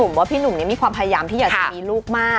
ผมว่าพี่หนุ่มมีความพยายามที่อยากจะมีลูกมาก